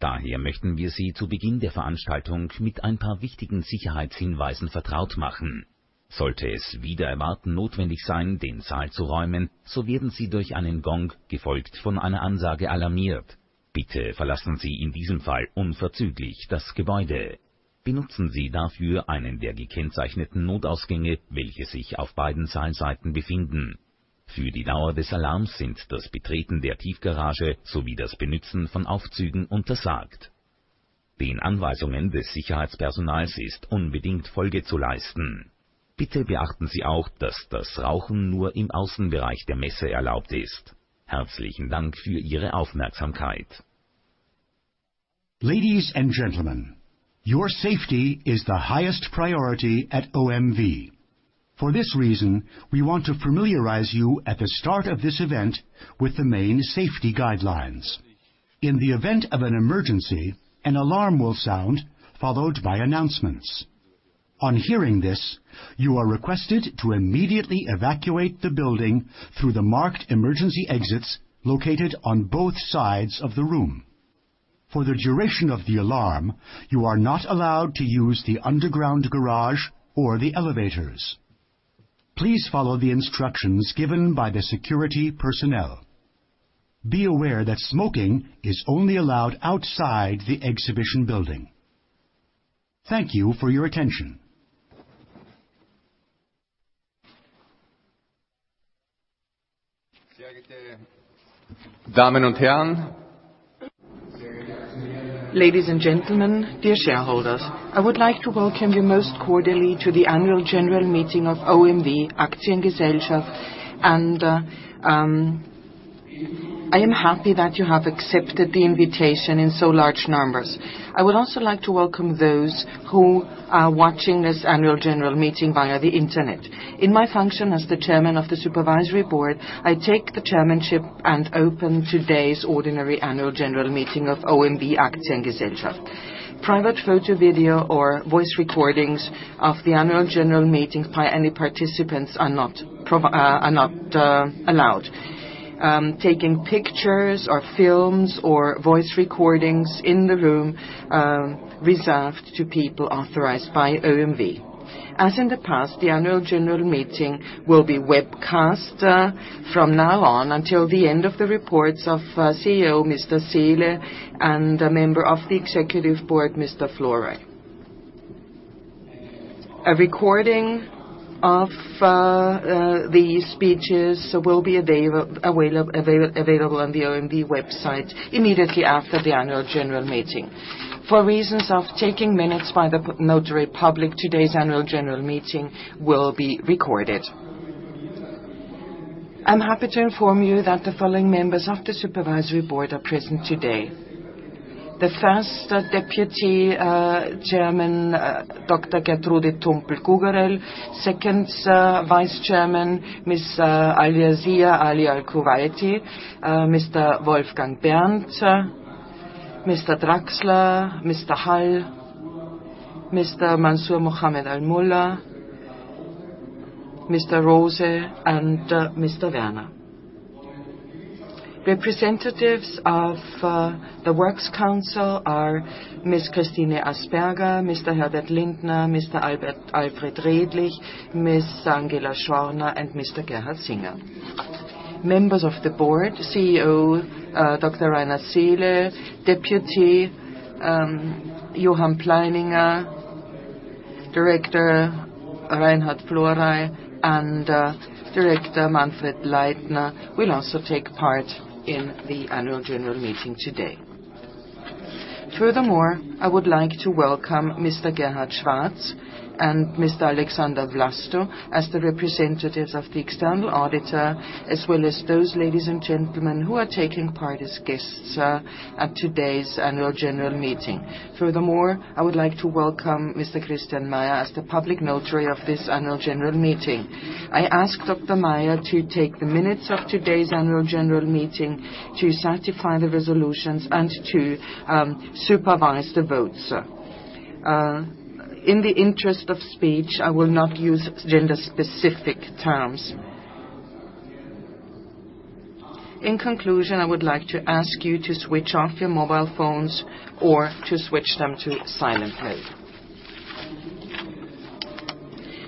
Daher möchten wir Sie zu Beginn der Veranstaltung mit ein paar wichtigen Sicherheitshinweisen vertraut machen. Sollte es wider Erwarten notwendig sein, den Saal zu räumen, so werden Sie durch einen Gong, gefolgt von einer Ansage, alarmiert. Bitte verlassen Sie in diesem Fall unverzüglich das Gebäude. Benutzen Sie dafür einen der gekennzeichneten Notausgänge, welche sich auf beiden Saalseiten befinden. Für die Dauer des Alarms sind das Betreten der Tiefgarage sowie das Benützen von Aufzügen untersagt. Den Anweisungen des Sicherheitspersonals ist unbedingt Folge zu leisten. Bitte beachten Sie auch, dass das Rauchen nur im Außenbereich der Messe erlaubt ist. Herzlichen Dank für Ihre Aufmerksamkeit. Ladies and gentlemen, your safety is the highest priority at OMV. For this reason, we want to familiarize you at the start of this event with the main safety guidelines. In the event of an emergency, an alarm will sound, followed by announcements. On hearing this, you are requested to immediately evacuate the building through the marked emergency exits located on both sides of the room. For the duration of the alarm, you are not allowed to use the underground garage or the elevators. Please follow the instructions given by the security personnel. Be aware that smoking is only allowed outside the exhibition building. Thank you for your attention. Sehr geehrte Damen und Herren. Ladies and gentlemen, dear shareholders, I would like to welcome you most cordially to the Annual General Meeting of OMV Aktiengesellschaft. I am happy that you have accepted the invitation in so large numbers. I would also like to welcome those who are watching this Annual General Meeting via the Internet. In my function as the chairman of the Supervisory Board, I take the chairmanship and open today's ordinary Annual General Meeting of OMV Aktiengesellschaft. Private photo, video, or voice recordings of the Annual General Meeting by any participants are not allowed. Taking pictures or films or voice recordings in the room reserved to people authorized by OMV. As in the past, the Annual General Meeting will be webcast from now on until the end of the reports of CEO, Mr. Seele, and a member of the Executive Board, Mr. Florey. A recording of these speeches will be available on the omv.com website immediately after the Annual General Meeting. For reasons of taking minutes by the Public Notary, today's Annual General Meeting will be recorded. I am happy to inform you that the following members of the Supervisory Board are present today. The First Deputy Chairman, Dr. Gertrude Tumpel-Gugerell, Second Vice Chairman, Miss Alyazia Ali Al Kuwaiti, Mr. Wolfgang Berndt, Mr. Traxler, Mr. Hall, Mr. Mansour Mohamed Al Mulla, Mr. Rose and Mr. Werner. Representatives of the Works Council are Ms. Christine Asperger, Mr. Herbert Lindner, Mr. Alfred Redlich, Ms. Angela Schorna, and Mr. Gerhard Singer. Members of the Board, CEO Dr. Rainer Seele, Deputy Johann Pleininger, Director Reinhard Florey, and Director Manfred Leitner will also take part in the Annual General Meeting today. I would like to welcome Mr. Gerhard Schwarz and Mr. Alexander Vlasto as the representatives of the external auditor, as well as those ladies and gentlemen who are taking part as guests at today's Annual General Meeting. I would like to welcome Mr. Christian Meier as the Public Notary of this Annual General Meeting. I ask Dr. Meier to take the minutes of today's Annual General Meeting to certify the resolutions and to supervise the votes. In the interest of speech, I will not use gender-specific terms. In conclusion, I would like to ask you to switch off your mobile phones or to switch them to silent mode.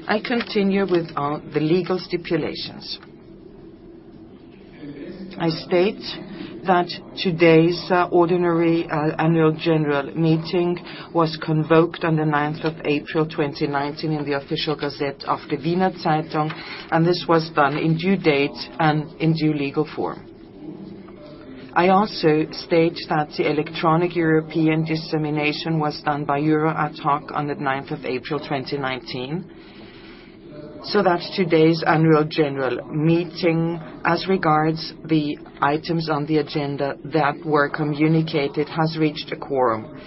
I continue with the legal stipulations. I state that today's ordinary Annual General Meeting was convoked on the 9th of April 2019 in the official gazette of the Wiener Zeitung, and this was done in due date and in due legal form. I also state that the electronic European dissemination was done by euro adhoc on the 9th of April 2019, so that today's Annual General Meeting as regards the items on the agenda that were communicated has reached a quorum.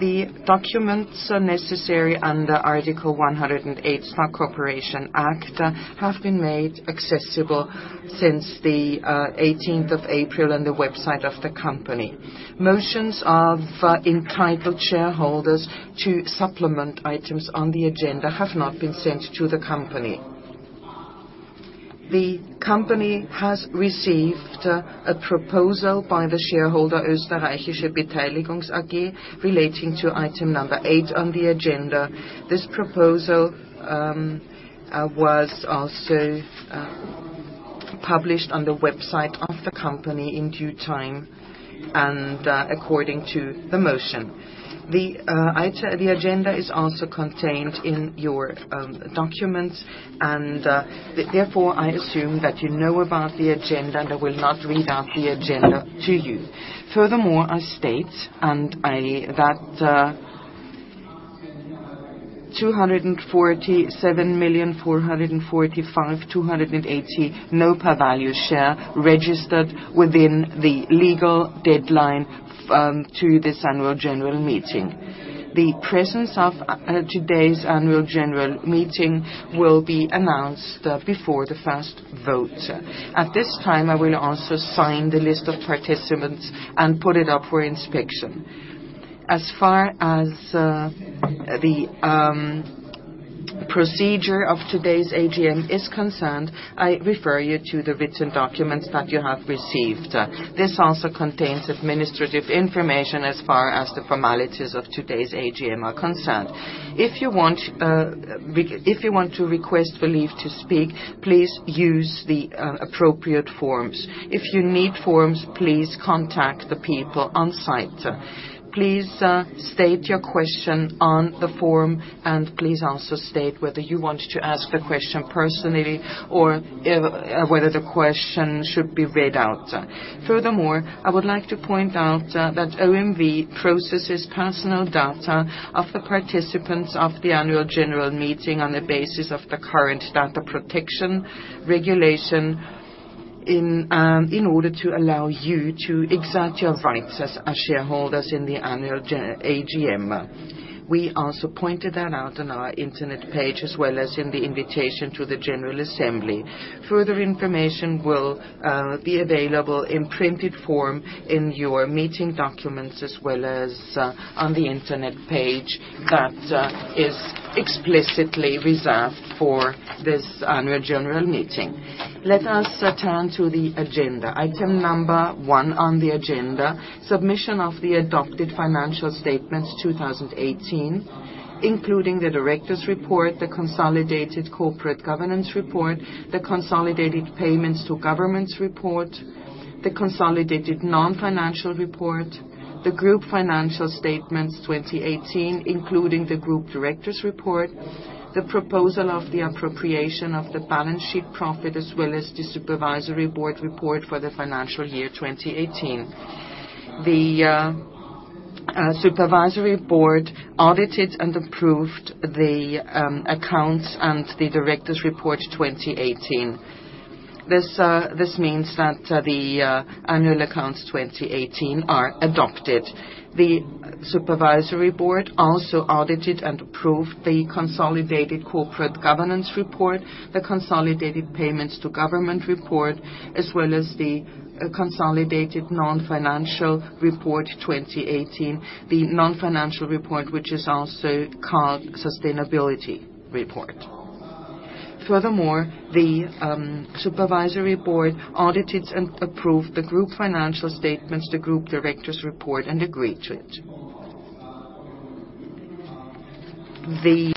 The documents necessary under Article 108 Stock Corporation Act have been made accessible since the 18th of April on the website of the company. Motions of entitled shareholders to supplement items on the agenda have not been sent to the company. The company has received a proposal by the shareholder, Österreichische Beteiligungs AG, relating to item number eight on the agenda. This proposal was also published on the website of the company in due time and according to the motion. The agenda is also contained in your documents and therefore I assume that you know about the agenda. I will not read out the agenda to you. I state that 247,445,280 no-par value share registered within the legal deadline to this Annual General Meeting. The presence of today's Annual General Meeting will be announced before the first vote. At this time, I will also sign the list of participants and put it up for inspection. As far as the procedure of today's AGM is concerned, I refer you to the written documents that you have received. This also contains administrative information as far as the formalities of today's AGM are concerned. If you want to request the leave to speak, please use the appropriate forms. If you need forms, please contact the people on site. Please state your question on the form, and please also state whether you want to ask the question personally or whether the question should be read out. Furthermore, I would like to point out that OMV processes personal data of the participants of the annual general meeting on the basis of the current data protection regulation in order to allow you to exert your rights as shareholders in the annual AGM. We also pointed that out on our internet page as well as in the invitation to the general assembly. Further information will be available in printed form in your meeting documents, as well as on the internet page that is explicitly reserved for this annual general meeting. Let us turn to the agenda. Item number one on the agenda, submission of the adopted financial statements 2018, including the Directors' Report, the Consolidated Corporate Governance Report, the Consolidated Payments to Governments Report, the Consolidated Non-Financial Report, the Group Financial Statements 2018, including the Group Directors Report, the proposal of the appropriation of the balance sheet profit, as well as the Supervisory Board Report for the financial year 2018. The Supervisory Board audited and approved the accounts and the Directors Report 2018. This means that the annual accounts 2018 are adopted. The Supervisory Board also audited and approved the Consolidated Corporate Governance Report, the Consolidated Payments to Government Report, as well as the Consolidated Non-Financial Report 2018, the Non-Financial Report, which is also called Sustainability Report. Furthermore, the Supervisory Board audited and approved the Group Financial Statements, the Group Directors Report, and agreed to it. The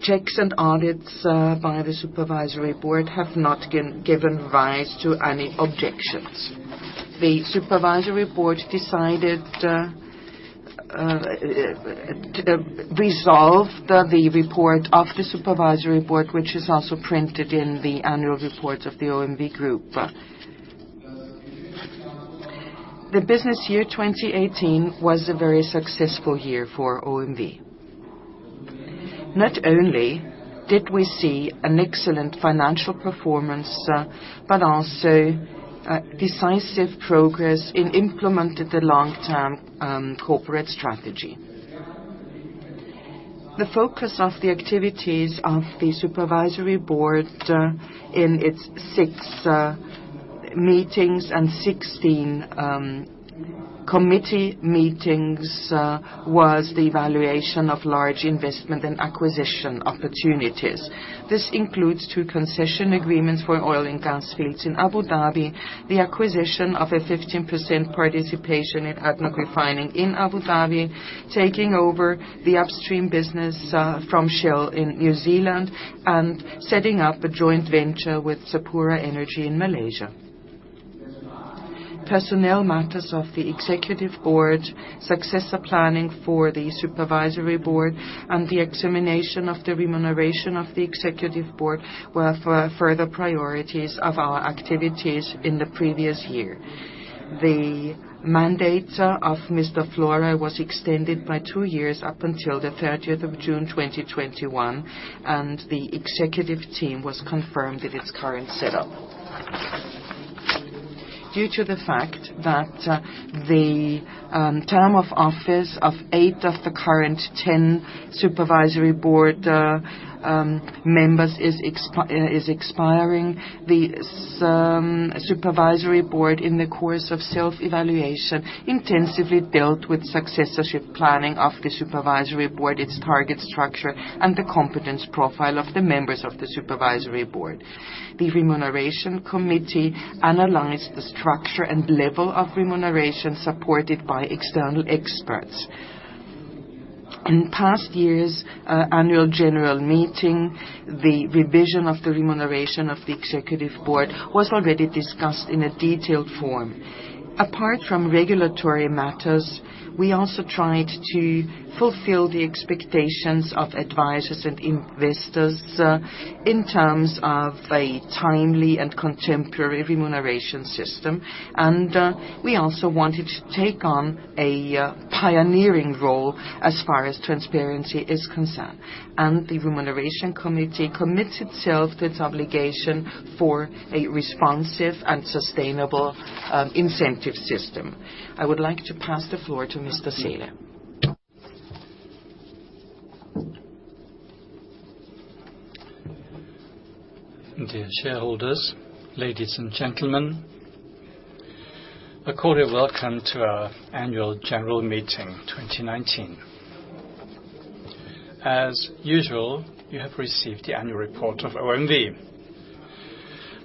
checks and audits by the Supervisory Board have not given rise to any objections. The Supervisory Board decided to resolve the report of the Supervisory Board, which is also printed in the annual reports of the OMV Group. The business year 2018 was a very successful year for OMV. Not only did we see an excellent financial performance, but also decisive progress in implementing the long-term corporate strategy. The focus of the activities of the Supervisory Board in its six meetings and 16 committee meetings was the evaluation of large investment and acquisition opportunities. This includes two concession agreements for oil and gas fields in Abu Dhabi, the acquisition of a 15% participation in ADNOC Refining in Abu Dhabi, taking over the upstream business from Shell in New Zealand, and setting up a joint venture with Sapura Energy in Malaysia. Personnel matters of the Executive Board, successor planning for the Supervisory Board, and the examination of the remuneration of the Executive Board were further priorities of our activities in the previous year. The mandate of Mr. Florey was extended by two years up until the 30th of June 2021, and the executive team was confirmed in its current setup. Due to the fact that the term of office of eight of the current 10 Supervisory Board members is expiring, the Supervisory Board, in the course of self-evaluation, intensively dealt with successorship planning of the Supervisory Board, its target structure, and the competence profile of the members of the Supervisory Board. The Remuneration Committee analyzed the structure and level of remuneration supported by external experts. In past years, annual general meeting, the revision of the remuneration of the Executive Board was already discussed in a detailed form. Apart from regulatory matters, we also tried to fulfill the expectations of advisers and investors in terms of a timely and contemporary remuneration system. We also wanted to take on a pioneering role as far as transparency is concerned. The remuneration committee commits itself to its obligation for a responsive and sustainable incentive system. I would like to pass the floor to Mr. Seele. Dear shareholders, ladies and gentlemen, a cordial welcome to our annual general meeting, 2019. As usual, you have received the annual report of OMV.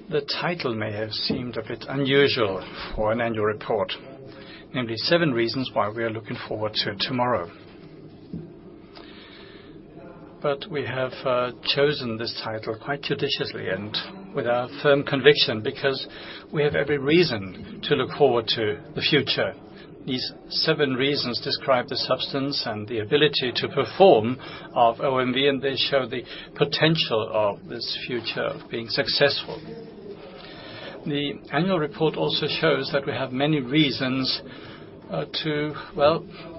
The title may have seemed a bit unusual for an annual report, namely "Seven Reasons Why We Are Looking Forward to Tomorrow." We have chosen this title quite judiciously and with our firm conviction because we have every reason to look forward to the future. These seven reasons describe the substance and the ability to perform of OMV, and they show the potential of this future of being successful. The annual report also shows that we have many reasons to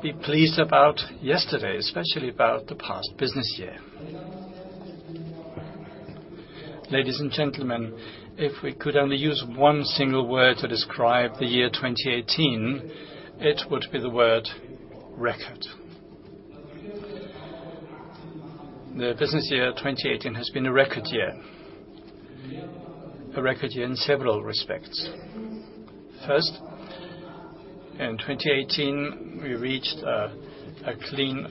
be pleased about yesterday, especially about the past business year. Ladies and gentlemen, if we could only use one single word to describe the year 2018, it would be the word record. The business year 2018 has been a record year. A record year in several respects. First, in 2018, we reached a clean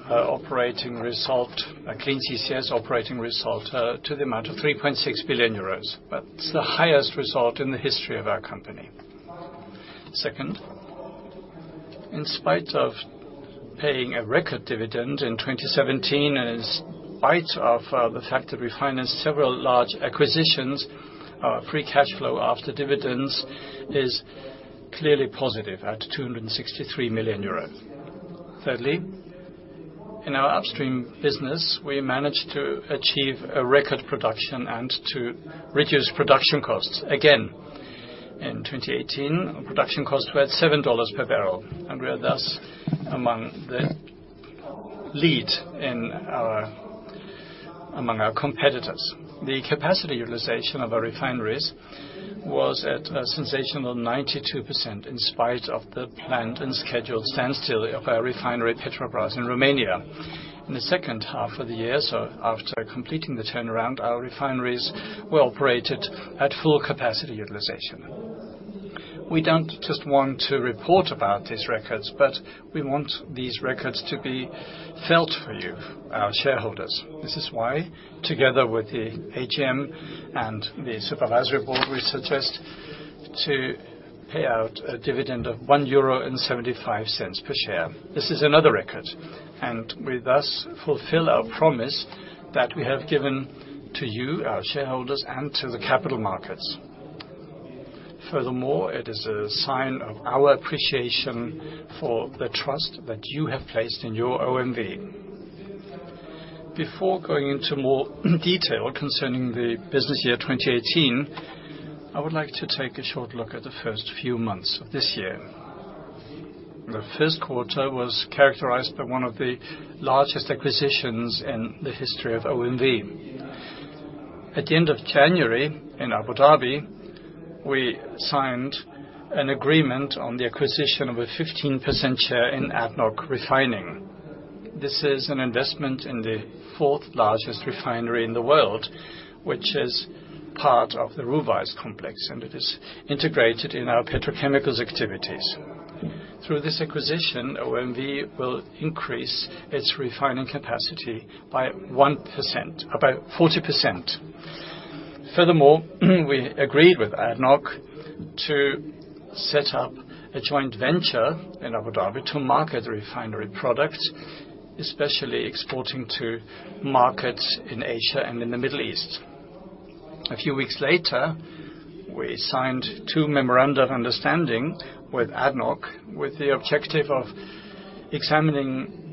CCS Operating Result to the amount of 3.6 billion euros. That's the highest result in the history of our company. Second, in spite of paying a record dividend in 2017, and in spite of the fact that we financed several large acquisitions, our free cash flow after dividends is clearly positive at 263 million euros. Thirdly, in our upstream business, we managed to achieve a record production and to reduce production costs again. In 2018, our production costs were at $7 per barrel, and we are thus among the lead among our competitors. The capacity utilization of our refineries was at a sensational 92%, in spite of the planned and scheduled standstill of our refinery, Petrobrazi in Romania. In the second half of the year, after completing the turnaround, our refineries were operated at full capacity utilization. We don't just want to report about these records, we want these records to be felt for you, our shareholders. This is why, together with the AGM and the supervisory board, we suggest to pay out a dividend of 1.75 euro per share. This is another record, and we thus fulfill our promise that we have given to you, our shareholders, and to the capital markets. Furthermore, it is a sign of our appreciation for the trust that you have placed in your OMV. Before going into more detail concerning the business year 2018, I would like to take a short look at the first few months of this year. The first quarter was characterized by one of the largest acquisitions in the history of OMV. At the end of January in Abu Dhabi, we signed an agreement on the acquisition of a 15% share in ADNOC Refining. This is an investment in the fourth-largest refinery in the world, which is part of the Ruwais complex, and it is integrated in our petrochemicals activities. Through this acquisition, OMV will increase its refining capacity by about 40%. Furthermore, we agreed with ADNOC to set up a joint venture in Abu Dhabi to market the refinery products, especially exporting to markets in Asia and in the Middle East. A few weeks later, we signed two memoranda of understanding with ADNOC with the objective of examining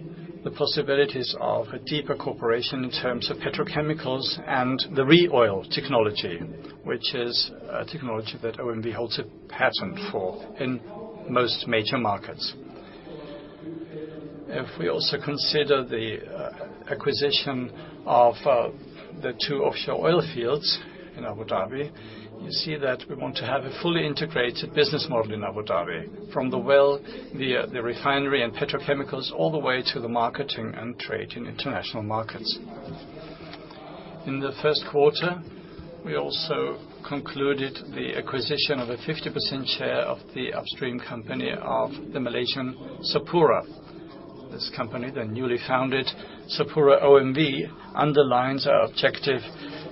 the possibilities of a deeper cooperation in terms of petrochemicals and the ReOil technology, which is a technology that OMV holds a patent for in most major markets. If we also consider the acquisition of the two offshore oil fields in Abu Dhabi, you see that we want to have a fully integrated business model in Abu Dhabi, from the well via the refinery and petrochemicals, all the way to the marketing and trade in international markets. In the first quarter, we also concluded the acquisition of a 50% share of the upstream company of the Malaysian Sapura. This company, the newly founded SapuraOMV, underlines our objective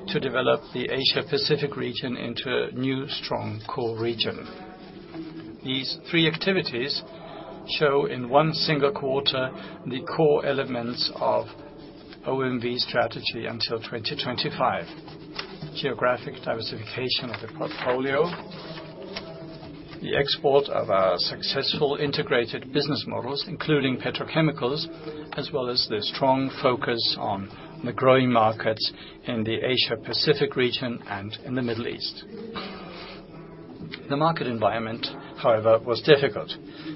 to develop the Asia-Pacific region into a new strong core region. These three activities show in one single quarter the core elements of OMV strategy until 2025. Geographic diversification of the portfolio, the export of our successful integrated business models, including petrochemicals, as well as the strong focus on the growing markets in the Asia-Pacific region and in the Middle East. The market environment, however, was difficult.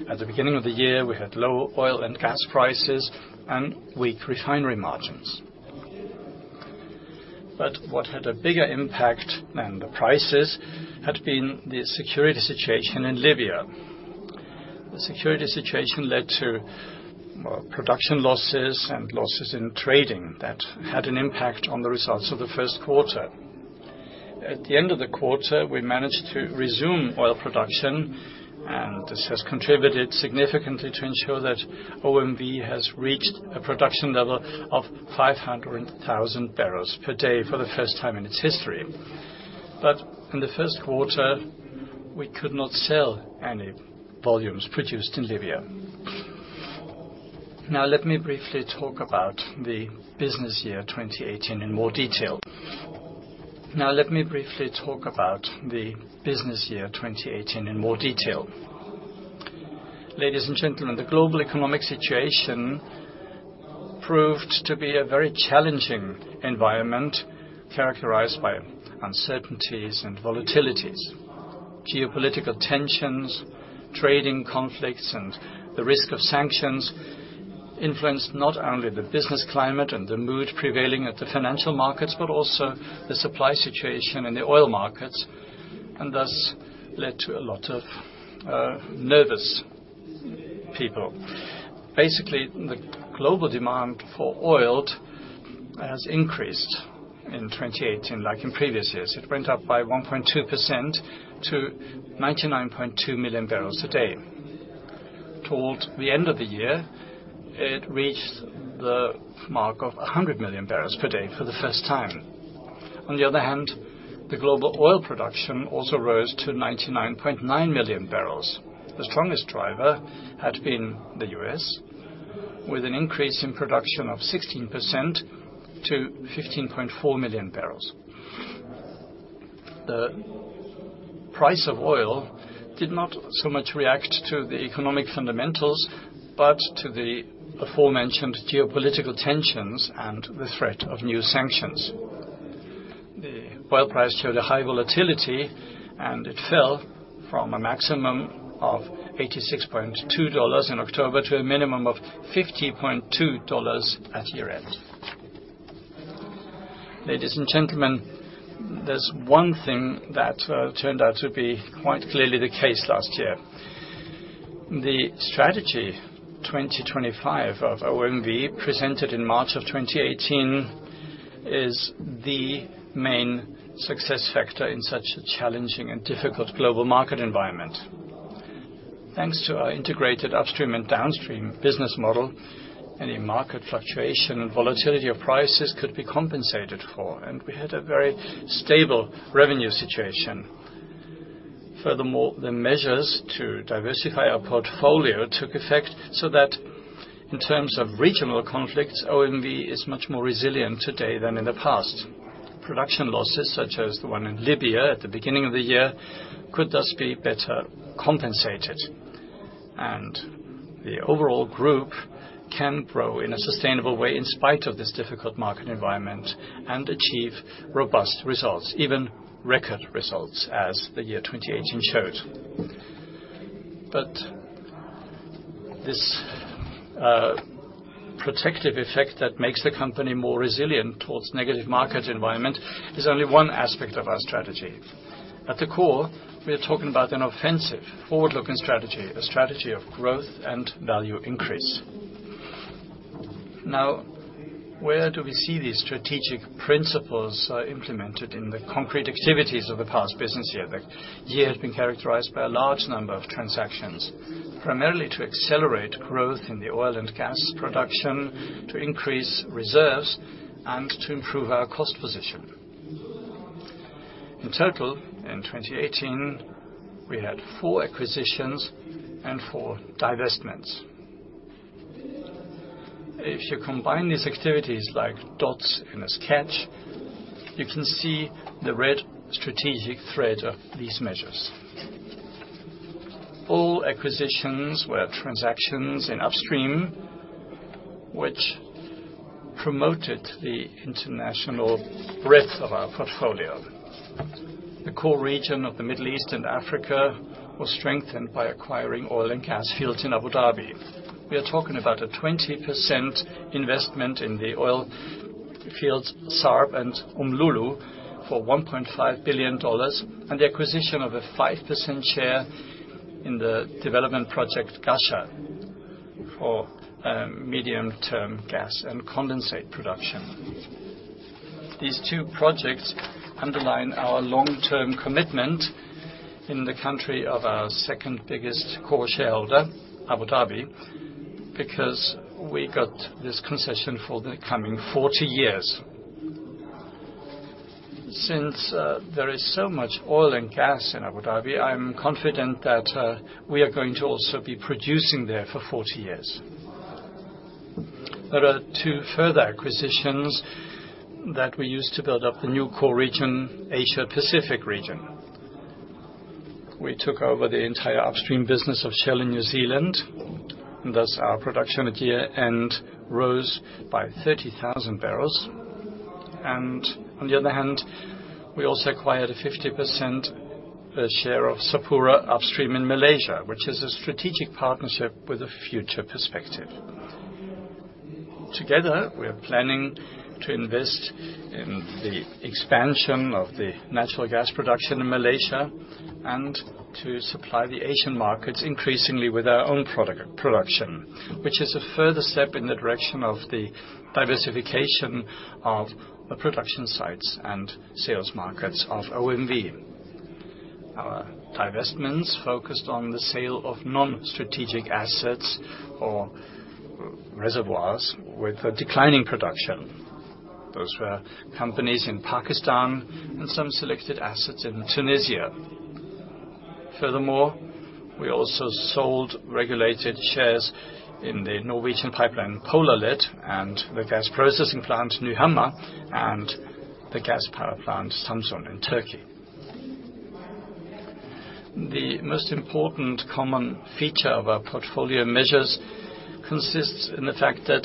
At the beginning of the year, we had low oil and gas prices and weak refinery margins. What had a bigger impact than the prices had been the security situation in Libya. The security situation led to more production losses and losses in trading that had an impact on the results of the first quarter. At the end of the quarter, we managed to resume oil production, and this has contributed significantly to ensure that OMV has reached a production level of 500,000 barrels per day for the first time in its history. In the first quarter, we could not sell any volumes produced in Libya. Now let me briefly talk about the business year 2018 in more detail. Ladies and gentlemen, the global economic situation proved to be a very challenging environment, characterized by uncertainties and volatilities. Geopolitical tensions, trading conflicts, and the risk of sanctions influenced not only the business climate and the mood prevailing at the financial markets, but also the supply situation in the oil markets, and thus led to a lot of nervous people. Basically, the global demand for oil has increased in 2018 like in previous years. It went up by 1.2% to 99.2 million barrels a day. Towards the end of the year, it reached the mark of 100 million barrels per day for the first time. On the other hand, the global oil production also rose to 99.9 million barrels. The strongest driver had been the U.S., with an increase in production of 16% to 15.4 million barrels. The price of oil did not so much react to the economic fundamentals, but to the aforementioned geopolitical tensions and the threat of new sanctions. The oil price showed a high volatility, and it fell from a maximum of $86.2 in October to a minimum of $50.2 at year-end. Ladies and gentlemen, there's one thing that turned out to be quite clearly the case last year. The strategy 2025 of OMV, presented in March of 2018, is the main success factor in such a challenging and difficult global market environment. Thanks to our integrated upstream and downstream business model, any market fluctuation and volatility of prices could be compensated for, and we had a very stable revenue situation. Furthermore, the measures to diversify our portfolio took effect so that in terms of regional conflicts, OMV is much more resilient today than in the past. Production losses, such as the one in Libya at the beginning of the year, could thus be better compensated. The overall group can grow in a sustainable way in spite of this difficult market environment and achieve robust results, even record results as the year 2018 showed. This protective effect that makes the company more resilient towards negative market environment is only one aspect of our strategy. At the core, we are talking about an offensive forward-looking strategy, a strategy of growth and value increase. Now, where do we see these strategic principles are implemented in the concrete activities of the past business year? The year has been characterized by a large number of transactions, primarily to accelerate growth in the oil and gas production, to increase reserves, and to improve our cost position. In total, in 2018, we had four acquisitions and four divestments. If you combine these activities like dots in a sketch, you can see the red strategic thread of these measures. All acquisitions were transactions in upstream, which promoted the international breadth of our portfolio. The core region of the Middle East and Africa was strengthened by acquiring oil and gas fields in Abu Dhabi. We are talking about a 20% investment in the oil fields, SARB and Umm Lulu, for EUR 1.5 billion, and the acquisition of a 5% share in the development project, Ghasha, for medium-term gas and condensate production. These two projects underline our long-term commitment in the country of our second-biggest core shareholder, Abu Dhabi, because we got this concession for the coming 40 years. Since there is so much oil and gas in Abu Dhabi, I am confident that we are going to also be producing there for 40 years. There are two further acquisitions that we used to build up the new core region, Asia-Pacific region. We took over the entire upstream business of Shell in New Zealand. Thus our production at year-end rose by 30,000 barrels. On the other hand, we also acquired a 50% share of SapuraOMV Upstream in Malaysia, which is a strategic partnership with a future perspective. Together, we are planning to invest in the expansion of the natural gas production in Malaysia and to supply the Asian markets increasingly with our own production, which is a further step in the direction of the diversification of the production sites and sales markets of OMV. Our divestments focused on the sale of non-strategic assets or reservoirs with a declining production. Those were companies in Pakistan and some selected assets in Tunisia. Furthermore, we also sold regulated shares in the Norwegian pipeline, Polarled, and the gas processing plant, Nyhamna, and the gas power plant, Samsun, in Turkey. The most important common feature of our portfolio measures consists in the fact that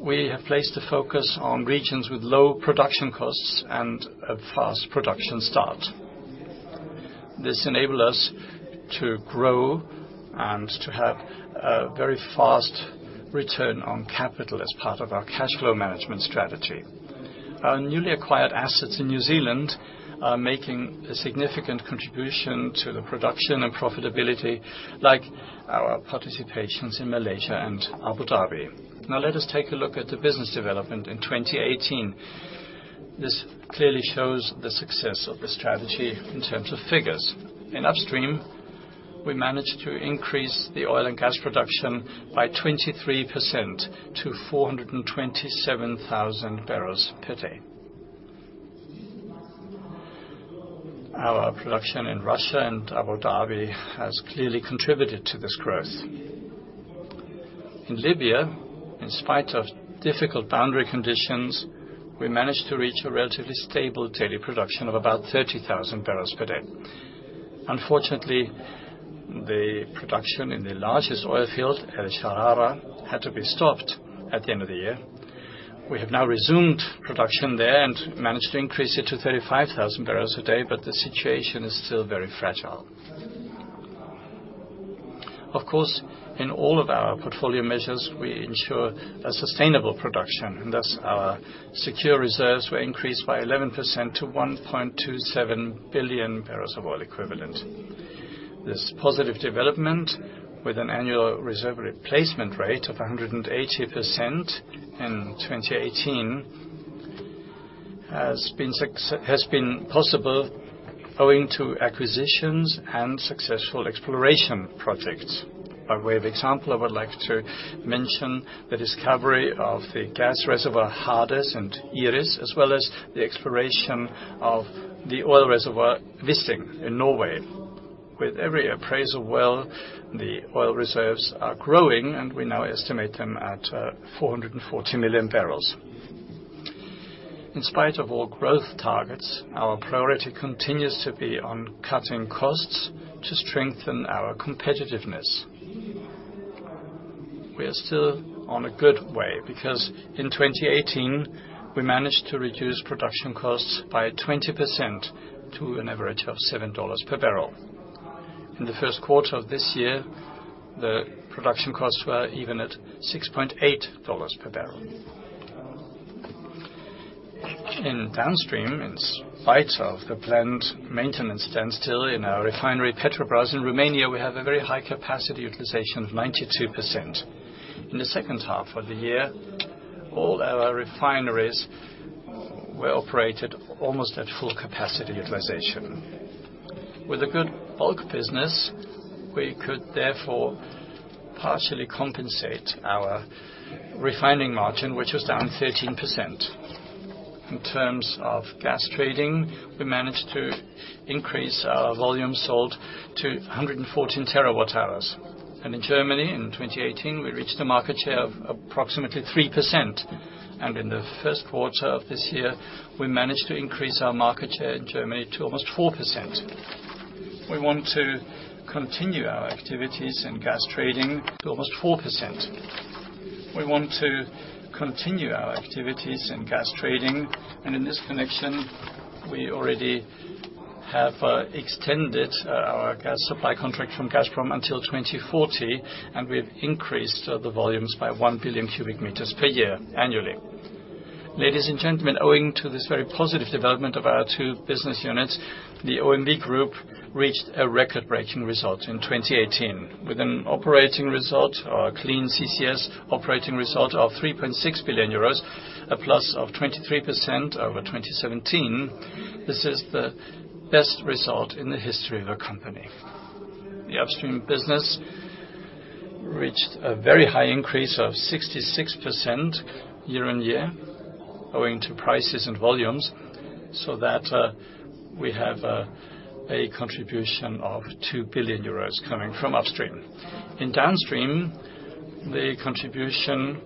we have placed a focus on regions with low production costs and a fast production start. This enable us to grow and to have a very fast return on capital as part of our cash flow management strategy. Our newly acquired assets in New Zealand are making a significant contribution to the production and profitability, like our participations in Malaysia and Abu Dhabi. Now let us take a look at the business development in 2018. This clearly shows the success of the strategy in terms of figures. In upstream, we managed to increase the oil and gas production by 23% to 427,000 barrels per day. Our production in Russia and Abu Dhabi has clearly contributed to this growth. In Libya, in spite of difficult boundary conditions, we managed to reach a relatively stable daily production of about 30,000 barrels per day. Unfortunately, the production in the largest oil field, El Sharara, had to be stopped at the end of the year. We have now resumed production there and managed to increase it to 35,000 barrels a day, but the situation is still very fragile. Of course, in all of our portfolio measures, we ensure a sustainable production, and thus our secure reserves were increased by 11% to 1.27 billion barrels of oil equivalent. This positive development with an annual reserve replacement rate of 180% in 2018 has been possible owing to acquisitions and successful exploration projects. By way of example, I would like to mention the discovery of the gas reservoir Hades and Iris, as well as the exploration of the oil reservoir, Wisting, in Norway. With every appraisal well, the oil reserves are growing, and we now estimate them at 440 million barrels. In spite of all growth targets, our priority continues to be on cutting costs to strengthen our competitiveness. We are still on a good way because in 2018, we managed to reduce production costs by 20% to an average of $7 per barrel. In the first quarter of this year, the production costs were even at $6.80 per barrel. In downstream, in spite of the planned maintenance standstill in our refinery, Petrobrazi in Romania, we have a very high capacity utilization of 92%. In the second half of the year, all our refineries were operated almost at full capacity utilization. With a good bulk business, we could therefore partially compensate our refining margin, which was down 13%. In terms of gas trading, we managed to increase our volume sold to 114 terawatt-hours. In Germany, in 2018, we reached a market share of approximately 3%. In the first quarter of this year, we managed to increase our market share in Germany to almost 4%. We want to continue our activities in gas trading to almost 4%, and in this connection, we already have extended our gas supply contract from Gazprom until 2040, and we have increased the volumes by one billion cubic meters per year annually. Ladies and gentlemen, owing to this very positive development of our two business units, the OMV Group reached a record-breaking result in 2018. With an operating result or a clean CCS Operating Result of €3.6 billion, a plus of 23% over 2017, this is the best result in the history of our company. The upstream business reached a very high increase of 66% year-over-year owing to prices and volumes, so that we have a contribution of €2 billion coming from upstream. In downstream, the contribution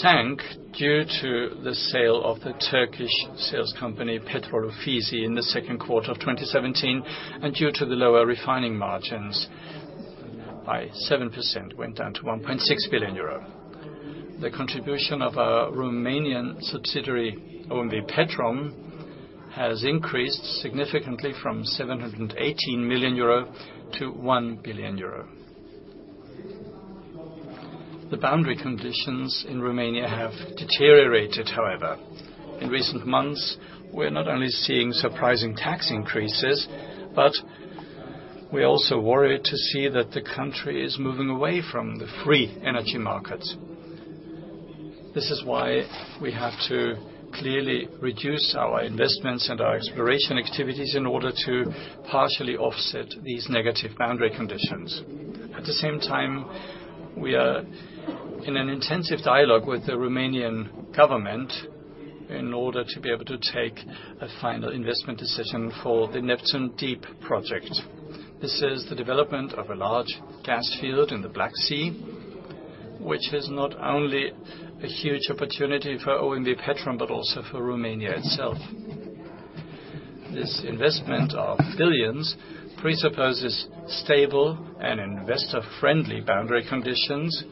sank due to the sale of the Turkish sales company, Petrol Ofisi, in the second quarter of 2017, and due to the lower refining margins by 7%, went down to €1.6 billion. The contribution of our Romanian subsidiary, OMV Petrom, has increased significantly from €718 million to €1 billion. The boundary conditions in Romania have deteriorated, however. In recent months, we are not only seeing surprising tax increases, but we also worry to see that the country is moving away from the free energy markets. This is why we have to clearly reduce our investments and our exploration activities in order to partially offset these negative boundary conditions. At the same time, we are in an intensive dialogue with the Romanian government in order to be able to take a final investment decision for the Neptun Deep project. This is the development of a large gas field in the Black Sea, which is not only a huge opportunity for OMV Petrom, but also for Romania itself. This investment of billions presupposes stable and investor-friendly boundary conditions,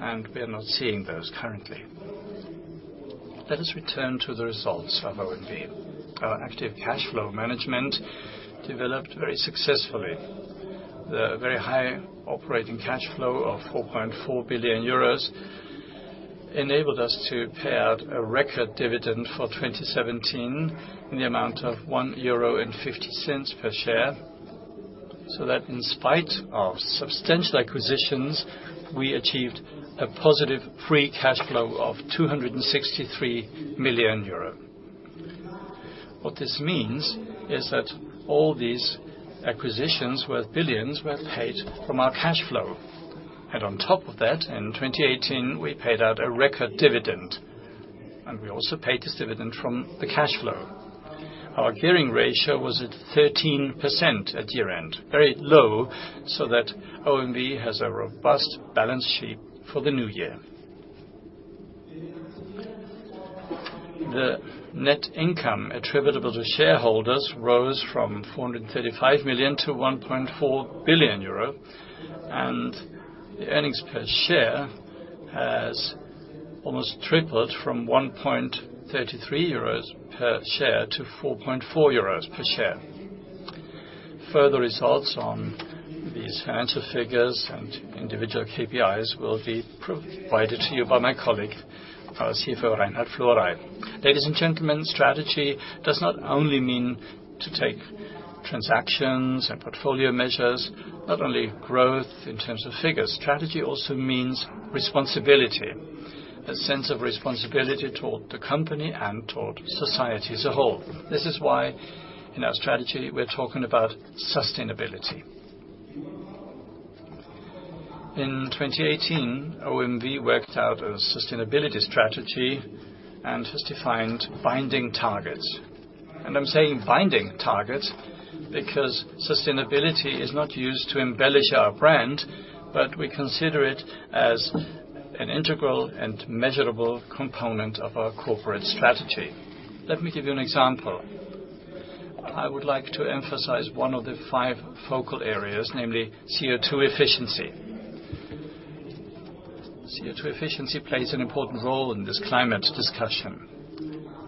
and we are not seeing those currently. Let us return to the results of OMV. Our active cash flow management developed very successfully. The very high operating cash flow of €4.4 billion enabled us to pay out a record dividend for 2017 in the amount of €1.50 per share, so that in spite of substantial acquisitions, we achieved a positive free cash flow of €263 million. What this means is that all these acquisitions worth billions were paid from our cash flow. On top of that, in 2018, we paid out a record dividend, and we also paid this dividend from the cash flow. Our gearing ratio was at 13% at year-end, very low, so that OMV has a robust balance sheet for the new year. The net income attributable to shareholders rose from 435 million to €1.4 billion. The earnings per share has almost tripled from €1.33 per share to €4.4 per share. Further results on these financial figures and individual KPIs will be provided to you by my colleague, our CFO, Reinhard Florey. Ladies and gentlemen, strategy does not only mean to take transactions and portfolio measures, not only growth in terms of figures. Strategy also means responsibility, a sense of responsibility toward the company and toward society as a whole. This is why in our strategy, we are talking about sustainability. In 2018, OMV worked out a sustainability strategy and has defined binding targets. I'm saying binding targets because sustainability is not used to embellish our brand, but we consider it as an integral and measurable component of our corporate strategy. Let me give you an example. I would like to emphasize one of the five focal areas, namely CO2 efficiency. CO2 efficiency plays an important role in this climate discussion.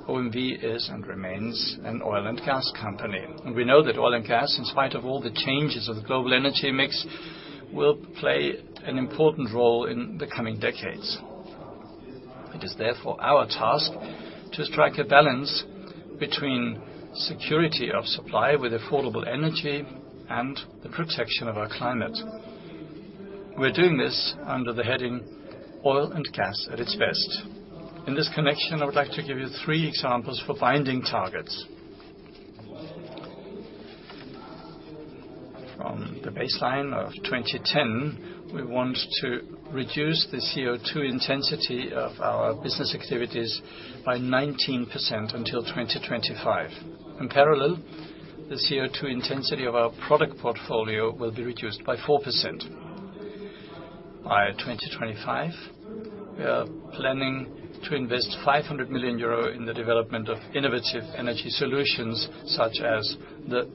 OMV is and remains an oil and gas company. We know that oil and gas, in spite of all the changes of the global energy mix, will play an important role in the coming decades. It is therefore our task to strike a balance between security of supply with affordable energy and the protection of our climate. We are doing this under the heading Oil and Gas at Its Best. In this connection, I would like to give you three examples for binding targets. From the baseline of 2010, we want to reduce the CO2 intensity of our business activities by 19% until 2025. In parallel, the CO2 intensity of our product portfolio will be reduced by 4%. By 2025, we are planning to invest 500 million euro in the development of innovative energy solutions, such as the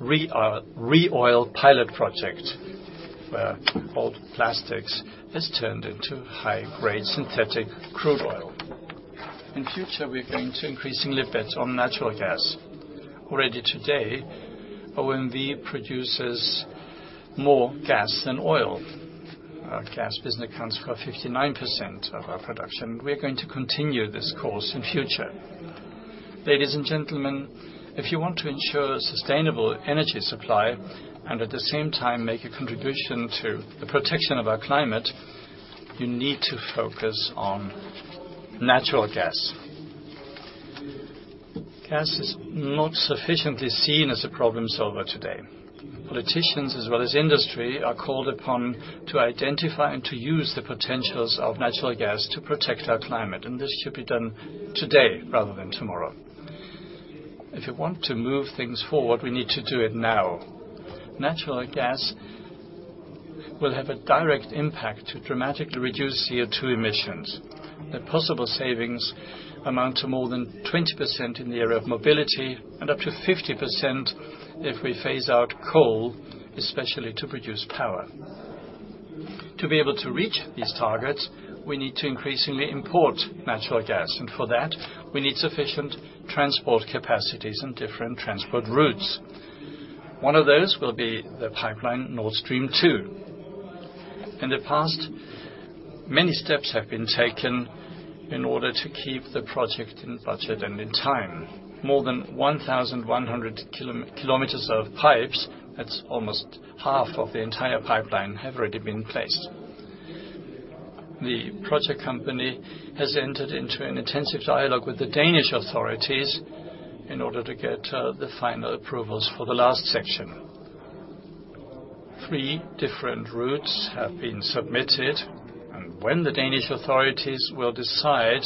ReOil pilot project, where old plastics is turned into high-grade synthetic crude oil. In future, we are going to increasingly bet on natural gas. Already today, OMV produces more gas than oil. Our gas business accounts for 59% of our production. We are going to continue this course in future. Ladies and gentlemen, if you want to ensure sustainable energy supply and at the same time make a contribution to the protection of our climate, you need to focus on natural gas. Gas is not sufficiently seen as a problem solver today. Politicians as well as industry are called upon to identify and to use the potentials of natural gas to protect our climate, and this should be done today rather than tomorrow. If we want to move things forward, we need to do it now. Natural gas will have a direct impact to dramatically reduce CO2 emissions. The possible savings amount to more than 20% in the area of mobility and up to 50% if we phase out coal, especially to produce power. To be able to reach these targets, we need to increasingly import natural gas, and for that, we need sufficient transport capacities and different transport routes. One of those will be the pipeline Nord Stream 2. In the past, many steps have been taken in order to keep the project in budget and in time. More than 1,100 kilometers of pipes, that's almost half of the entire pipeline, have already been placed. The project company has entered into an intensive dialogue with the Danish authorities in order to get the final approvals for the last section. Three different routes have been submitted, and when the Danish authorities will decide,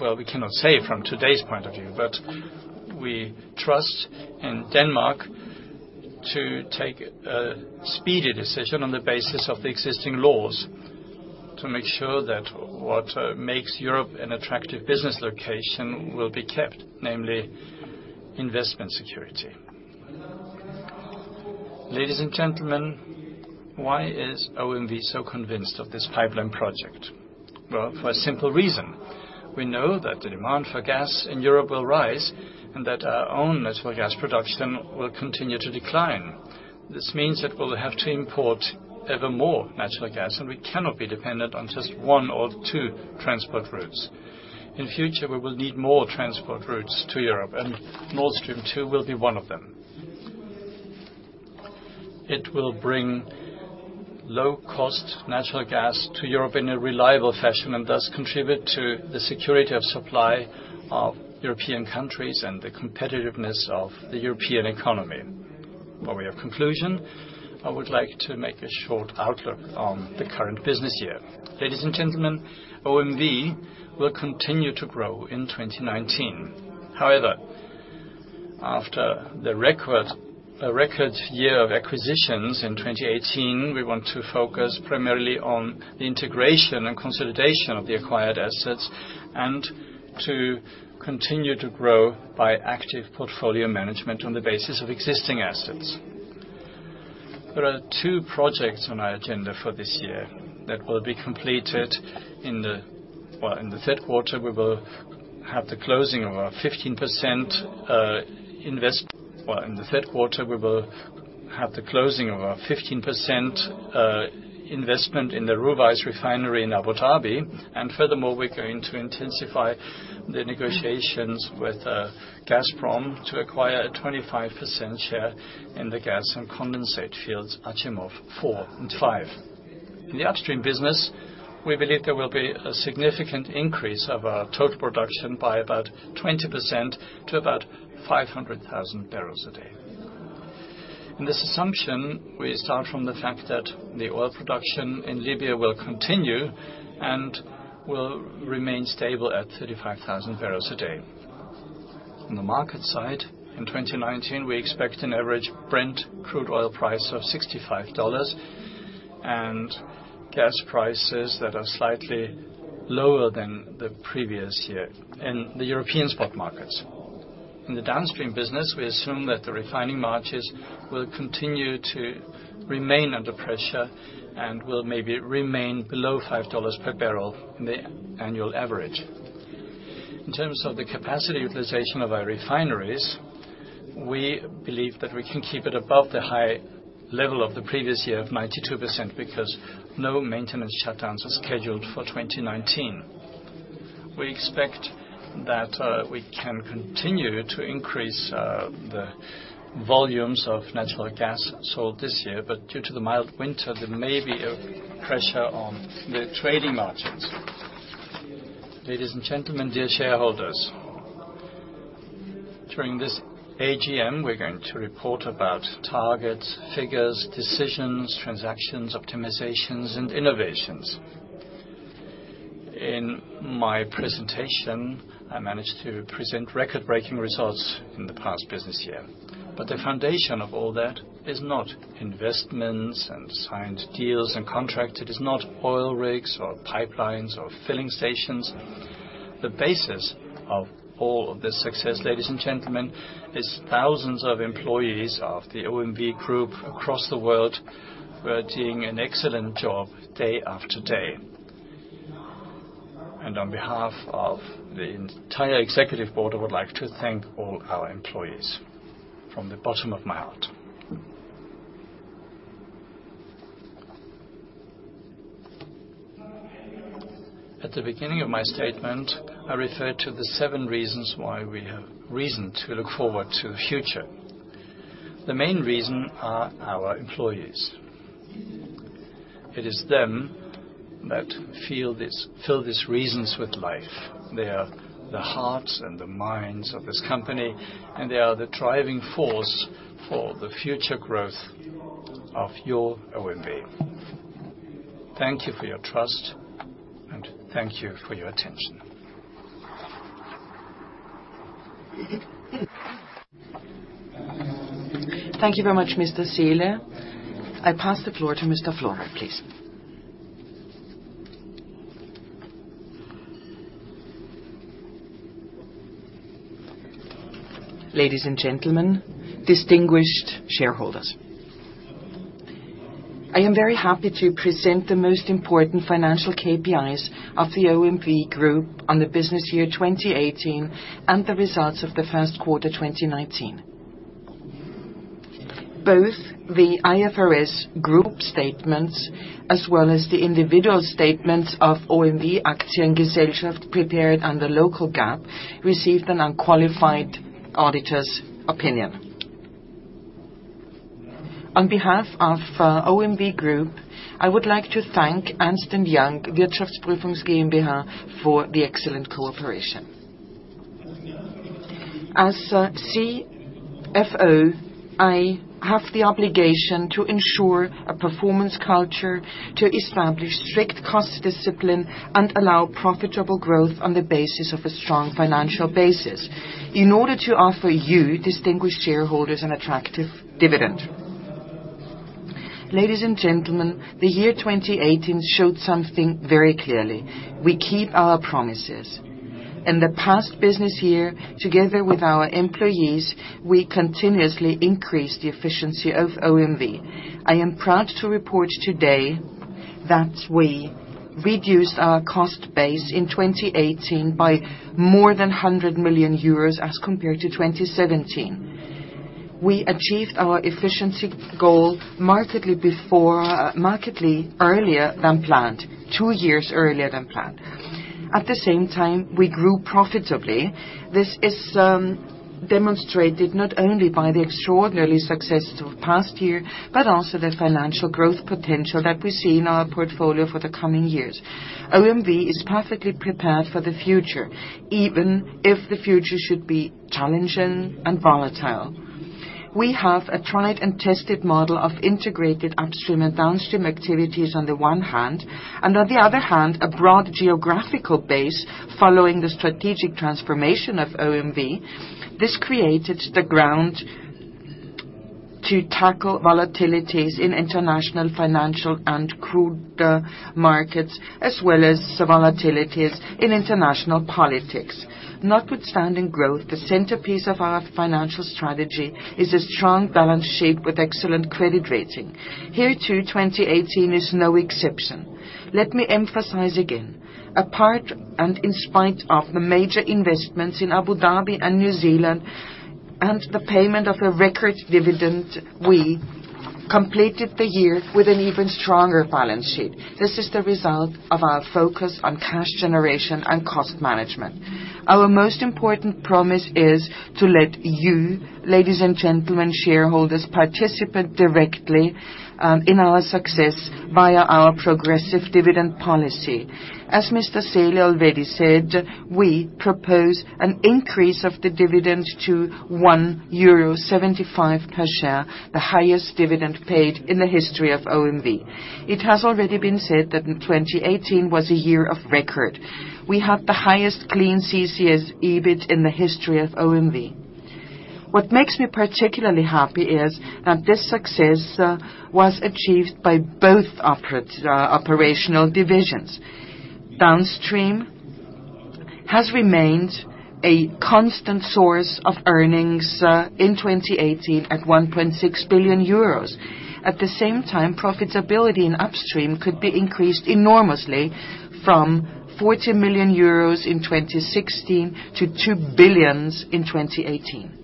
well, we cannot say from today's point of view. We trust in Denmark to take a speedy decision on the basis of the existing laws to make sure that what makes Europe an attractive business location will be kept, namely investment security. Ladies and gentlemen, why is OMV so convinced of this pipeline project? Well, for a simple reason. We know that the demand for gas in Europe will rise and that our own natural gas production will continue to decline. This means that we'll have to import ever more natural gas, and we cannot be dependent on just one or two transport routes. In future, we will need more transport routes to Europe, and Nord Stream 2 will be one of them. It will bring low-cost natural gas to Europe in a reliable fashion, and thus contribute to the security of supply of European countries and the competitiveness of the European economy. Well, by way of conclusion, I would like to make a short outlook on the current business year. Ladies and gentlemen, OMV will continue to grow in 2019. However, after the record year of acquisitions in 2018, we want to focus primarily on the integration and consolidation of the acquired assets, and to continue to grow by active portfolio management on the basis of existing assets. There are two projects on our agenda for this year that will be completed in the third quarter. We will have the closing of our 15% investment in the Ruwais Refinery in Abu Dhabi. Furthermore, we are going to intensify the negotiations with Gazprom to acquire a 25% share in the gas and condensate fields Achimov 4 and 5. In the upstream business, we believe there will be a significant increase of our total production by about 20% to about 500,000 barrels a day. In this assumption, we start from the fact that the oil production in Libya will continue and will remain stable at 35,000 barrels a day. On the market side, in 2019, we expect an average Brent crude oil price of $65 and gas prices that are slightly lower than the previous year in the European spot markets. In the downstream business, we assume that the refining margins will continue to remain under pressure and will maybe remain below $5 per barrel in the annual average. In terms of the capacity utilization of our refineries, we believe that we can keep it above the high level of the previous year of 92% because no maintenance shutdowns are scheduled for 2019. We expect that we can continue to increase the volumes of natural gas sold this year. Due to the mild winter, there may be a pressure on the trading margins. Ladies and gentlemen, dear shareholders, during this AGM, we are going to report about targets, figures, decisions, transactions, optimizations, and innovations. In my presentation, I managed to present record-breaking results in the past business year. The foundation of all that is not investments and signed deals and contracts. It is not oil rigs or pipelines or filling stations. The basis of all of this success, ladies and gentlemen, is thousands of employees of the OMV Group across the world who are doing an excellent job day after day. On behalf of the entire Executive Board, I would like to thank all our employees from the bottom of my heart. At the beginning of my statement, I referred to the seven reasons why we have reason to look forward to the future. The main reason are our employees. It is them that fill these reasons with life. They are the hearts and the minds of this company, and they are the driving force for the future growth of your OMV. Thank you for your trust, and thank you for your attention. Thank you very much, Mr. Seele. I pass the floor to Mr. Florey, please. Ladies and gentlemen, distinguished shareholders. I am very happy to present the most important financial KPIs of the OMV group on the business year 2018 and the results of the first quarter 2019. Both the IFRS group statements as well as the individual statements of OMV Aktiengesellschaft prepared under local GAAP, received an unqualified auditor's opinion. On behalf of OMV Group, I would like to thank Ernst & Young Wirtschaftsprüfungs GmbH for the excellent cooperation. As CFO, I have the obligation to ensure a performance culture to establish strict cost discipline and allow profitable growth on the basis of a strong financial basis in order to offer you, distinguished shareholders, an attractive dividend. Ladies and gentlemen, the year 2018 showed something very clearly: We keep our promises. In the past business year, together with our employees, we continuously increased the efficiency of OMV. I am proud to report today that we reduced our cost base in 2018 by more than 100 million euros as compared to 2017. We achieved our efficiency goal markedly earlier than planned, two years earlier than planned. At the same time, we grew profitably. This is demonstrated not only by the extraordinarily successful past year, but also the financial growth potential that we see in our portfolio for the coming years. OMV is perfectly prepared for the future, even if the future should be challenging and volatile. We have a tried and tested model of integrated Upstream and Downstream activities on the one hand, and on the other hand, a broad geographical base following the strategic transformation of OMV. This created the ground to tackle volatilities in international financial and crude markets, as well as the volatilities in international politics. Notwithstanding growth, the centerpiece of our financial strategy is a strong balance sheet with excellent credit rating. Hereto, 2018 is no exception. Let me emphasize again, apart and in spite of the major investments in Abu Dhabi and New Zealand and the payment of a record dividend, we completed the year with an even stronger balance sheet. This is the result of our focus on cash generation and cost management. Our most important promise is to let you, ladies and gentlemen, shareholders, participate directly in our success via our progressive dividend policy. As Mr. Seele already said, we propose an increase of the dividend to 1.75 euro per share, the highest dividend paid in the history of OMV. It has already been said that 2018 was a year of record. We have the highest clean CCS EBIT in the history of OMV. What makes me particularly happy is that this success was achieved by both operational divisions. Downstream has remained a constant source of earnings in 2018 at 1.6 billion euros. At the same time, profitability in Upstream could be increased enormously from 40 million euros in 2016 to 2 billion in 2018.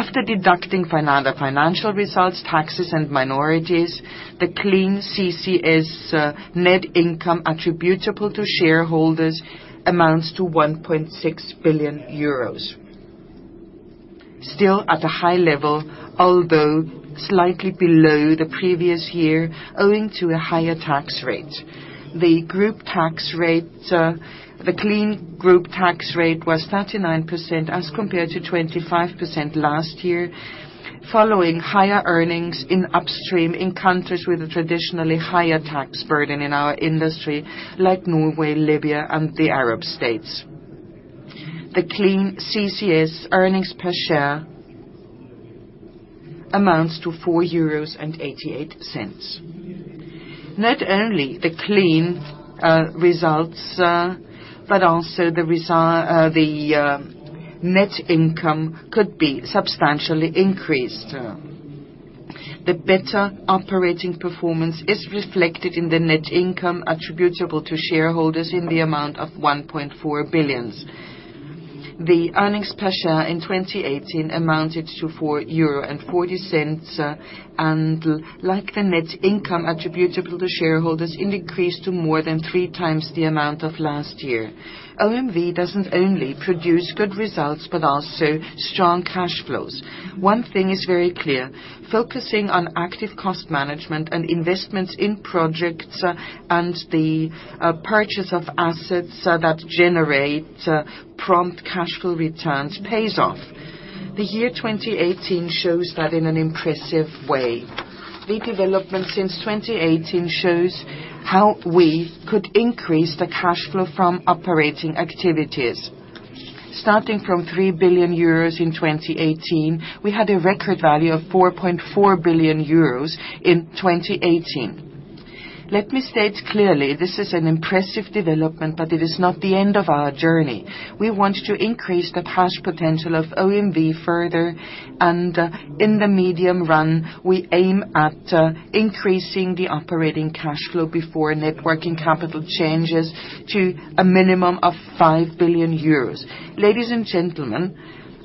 After deducting financial results, taxes, and minorities, the clean CCS net income attributable to stockholders amounts to 1.6 billion euros. Still at a high level, although slightly below the previous year, owing to a higher tax rate. The clean group tax rate was 39% as compared to 25% last year, following higher earnings in Upstream in countries with a traditionally higher tax burden in our industry, like Norway, Libya and the Arab States. The clean CCS earnings per share amounts to 4.88 euros. Not only the clean results, but also the net income could be substantially increased. The better operating performance is reflected in the net income attributable to shareholders in the amount of 1.4 billion. The earnings per share in 2018 amounted to 4.40 euro, and like the net income attributable to shareholders, it increased to more than three times the amount of last year. OMV does not only produce good results, but also strong cash flows. One thing is very clear, focusing on active cost management and investments in projects, and the purchase of assets that generate prompt cash flow returns pays off. The year 2018 shows that in an impressive way. The development since 2018 shows how we could increase the cash flow from operating activities. Starting from 3 billion euros in 2018, we had a record value of 4.4 billion euros in 2018. Let me state clearly, this is an impressive development, it is not the end of our journey. We want to increase the cash potential of OMV further, in the medium run, we aim at increasing the operating cash flow before networking capital changes to a minimum of 5 billion euros. Ladies and gentlemen,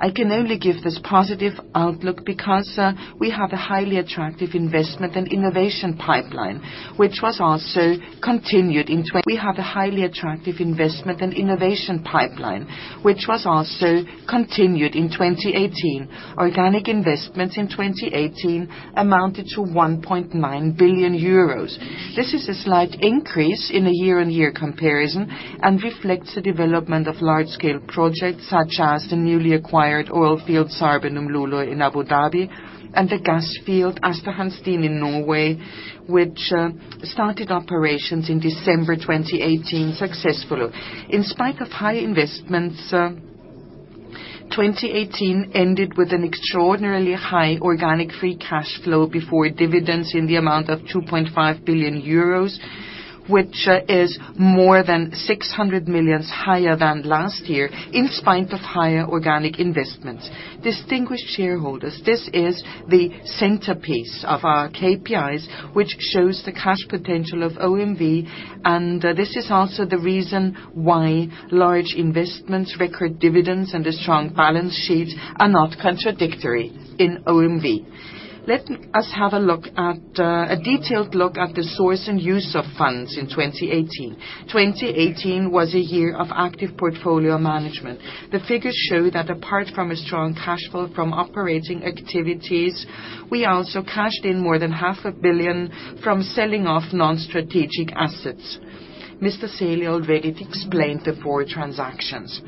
I can only give this positive outlook because we have a highly attractive investment and innovation pipeline, which was also continued in 2018. Organic investments in 2018 amounted to 1.9 billion euros. This is a slight increase in a year-on-year comparison and reflects the development of large-scale projects, such as the newly acquired oil field, SARB and Umm Lulu in Abu Dhabi, and the gas field, Aasta Hansteen in Norway, which started operations in December 2018 successfully. In spite of high investments, 2018 ended with an extraordinarily high organic free cash flow before dividends in the amount of 2.5 billion euros, which is more than 600 million higher than last year, in spite of higher organic investments. Distinguished shareholders, this is the centerpiece of our KPIs, which shows the cash potential of OMV, this is also the reason why large investments, record dividends, and a strong balance sheet are not contradictory in OMV. Let us have a detailed look at the source and use of funds in 2018. 2018 was a year of active portfolio management. The figures show that apart from a strong cash flow from operating activities, we also cashed in more than half a billion EUR from selling off non-strategic assets. Mr. Seele already explained the four transactions.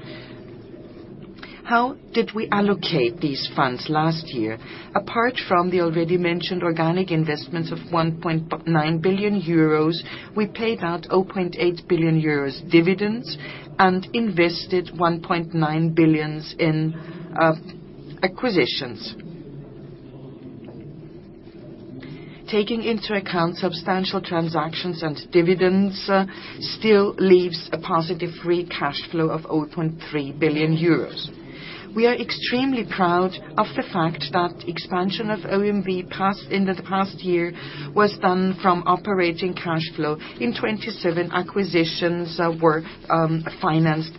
How did we allocate these funds last year? Apart from the already mentioned organic investments of 1.9 billion euros, we paid out 0.8 billion euros dividends and invested 1.9 billion in acquisitions. Taking into account substantial transactions and dividends still leaves a positive free cash flow of 0.3 billion euros. We are extremely proud of the fact that expansion of OMV in the past year was done from operating cash flow in 27 acquisitions that were financed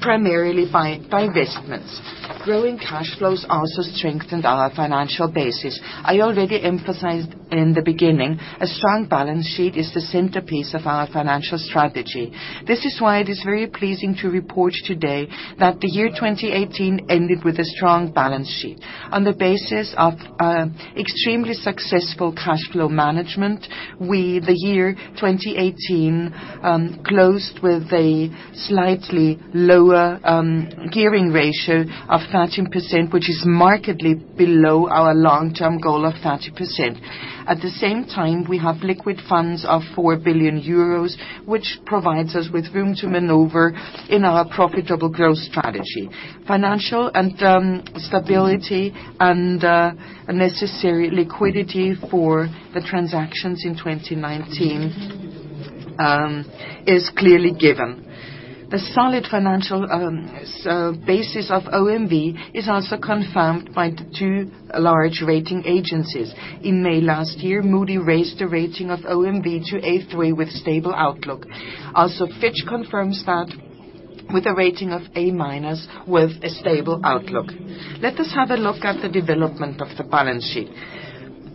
primarily by divestments. Growing cash flows also strengthened our financial basis. I already emphasized in the beginning, a strong balance sheet is the centerpiece of our financial strategy. This is why it is very pleasing to report today that the year 2018 ended with a strong balance sheet. On the basis of extremely successful cash flow management, the year 2018 closed with a slightly lower gearing ratio of 30%, which is markedly below our long-term goal of 30%. At the same time, we have liquid funds of 4 billion euros, which provides us with room to maneuver in our profitable growth strategy. Financial stability and necessary liquidity for the transactions in 2019 is clearly given. The solid financial basis of OMV is also confirmed by the two large rating agencies. In May last year, Moody's raised the rating of OMV to A3 with stable outlook. Also, Fitch confirms that with a rating of A- with a stable outlook. Let us have a look at the development of the balance sheet.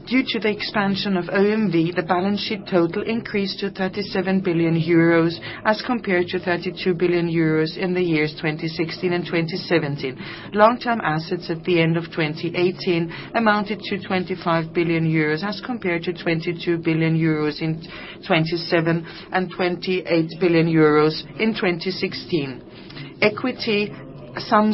Due to the expansion of OMV, the balance sheet total increased to 37 billion euros as compared to 32 billion euros in the years 2016 and 2017. Long-term assets at the end of 2018 amounted to 25 billion euros as compared to 22 billion euros in 2017 and 28 billion euros in 2016. Equity sum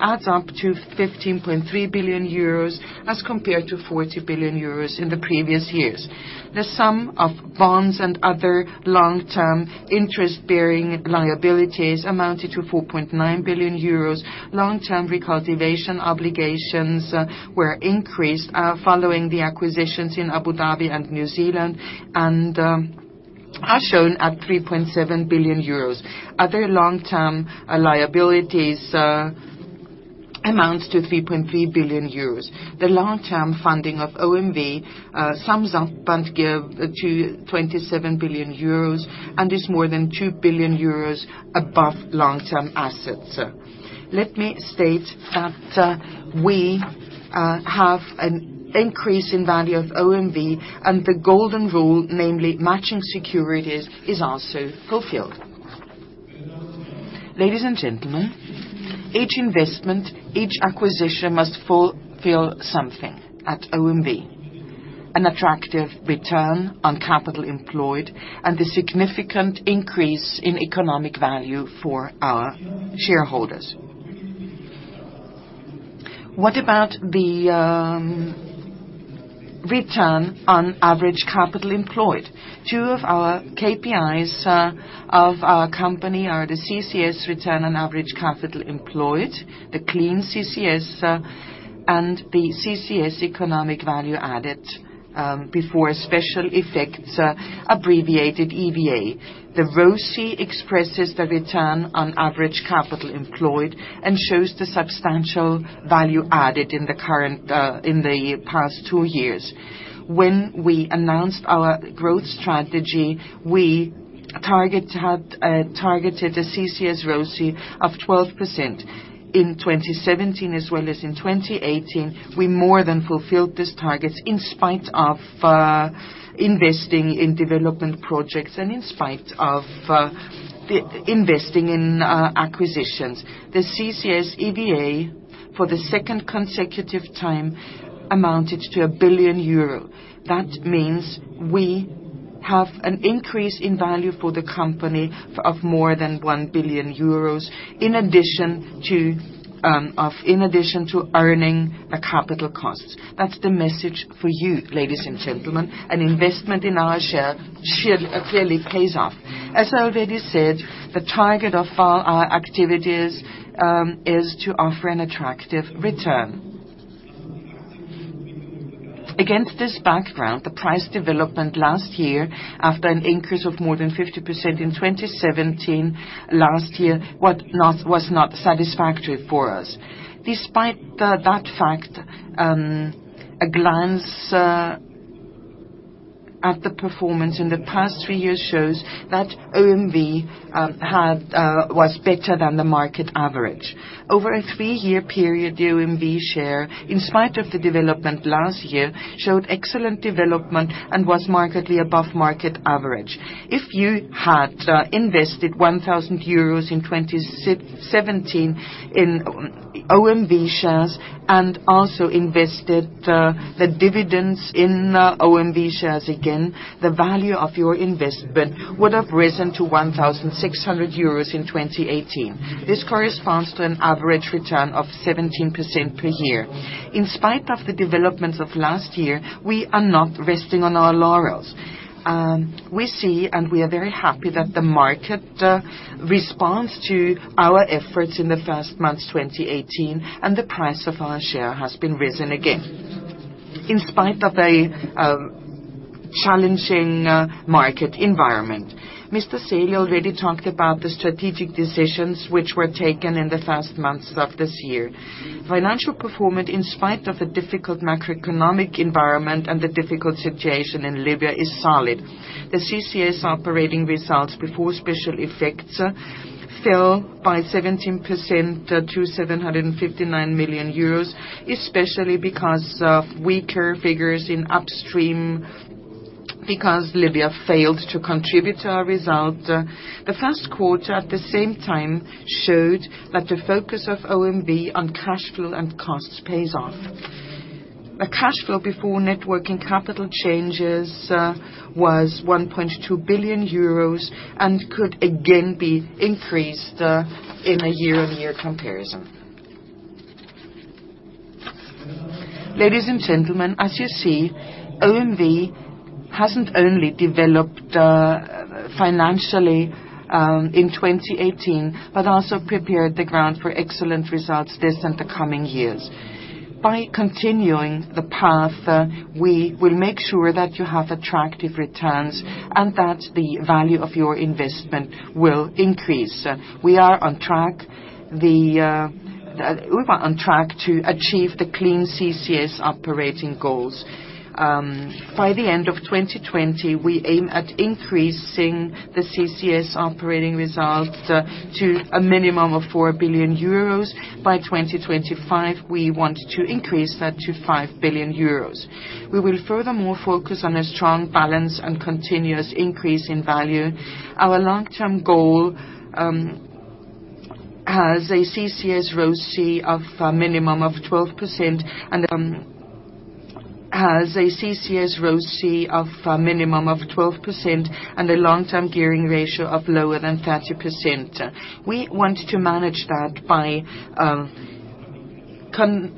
adds up to 15.3 billion euros as compared to 40 billion euros in the previous years. The sum of bonds and other long-term interest-bearing liabilities amounted to 4.9 billion euros. Long-term recultivation obligations were increased following the acquisitions in Abu Dhabi and New Zealand and are shown at 3.7 billion euros. Other long-term liabilities amounts to 3.3 billion euros. The long-term funding of OMV sums up to 27 billion euros and is more than 2 billion euros above long-term assets. Let me state that we have an increase in value of OMV and the golden rule, namely matching securities, is also fulfilled. Ladies and gentlemen, each investment, each acquisition must fulfill something at OMV. An attractive return on capital employed and a significant increase in economic value for our shareholders. What about the return on average capital employed? Two of our KPIs of our company are the CCS return on average capital employed, the clean CCS, and the CCS economic value added before special effects, abbreviated EVA. The ROCE expresses the return on average capital employed and shows the substantial value added in the past two years. When we announced our growth strategy, we targeted a CCS ROCE of 12%. In 2017 as well as in 2018, we more than fulfilled these targets in spite of investing in development projects and in spite of investing in acquisitions. The CCS EVA for the second consecutive time amounted to a billion EUR. That means we have an increase in value for the company of more than 1 billion euros, in addition to earning the capital costs. That's the message for you, ladies and gentlemen. An investment in our share clearly pays off. As I already said, the target of our activities is to offer an attractive return. Against this background, the price development last year, after an increase of more than 50% in 2017, last year was not satisfactory for us. Despite that fact, a glance at the performance in the past three years shows that OMV was better than the market average. Over a three-year period, the OMV share, in spite of the development last year, showed excellent development and was markedly above market average. If you had invested 1,000 euros in 2017 in OMV shares and also invested the dividends in OMV shares again, the value of your investment would have risen to 1,600 euros in 2018. This corresponds to an average return of 17% per year. In spite of the developments of last year, we are not resting on our laurels. We see and we are very happy that the market responds to our efforts in the first months 2018, and the price of our share has risen again, in spite of a challenging market environment. Mr. Seele already talked about the strategic decisions which were taken in the first months of this year. Financial performance, in spite of a difficult macroeconomic environment and the difficult situation in Libya, is solid. The CCS Operating Results before special effects fell by 17% to 759 million euros, especially because of weaker figures in Upstream because Libya failed to contribute to our result. The first quarter, at the same time, showed that the focus of OMV on cash flow and costs pays off. The cash flow before net working capital changes was 1.2 billion euros and could again be increased in a year-on-year comparison. Ladies and gentlemen, as you see, OMV hasn't only developed financially in 2018, but also prepared the ground for excellent results this and the coming years. By continuing the path, we will make sure that you have attractive returns and that the value of your investment will increase. We are on track to achieve the clean CCS Operating Results. By the end of 2020, we aim at increasing the CCS Operating Results to a minimum of 4 billion euros. By 2025, we want to increase that to 5 billion euros. We will furthermore focus on a strong balance and continuous increase in value. Our long-term goal has a CCS ROCE of a minimum of 12% and a long-term gearing ratio of lower than 30%. We want to manage that by